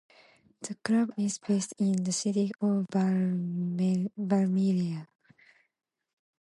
The club is based in the city of Valmiera.